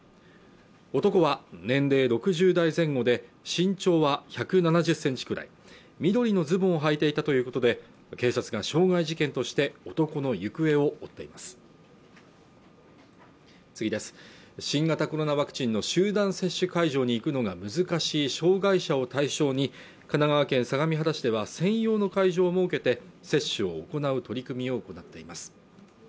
男は年齢６０代前後で身長は１７０センチくらい緑のズボンをはいていたということで警察が傷害事件として男の行方を追っています新型コロナのワクチンの集団接種会場に行くのが難しい障害者を対象に神奈川県相模原市では専用の会場を設けて接種を行う取り組みを行っています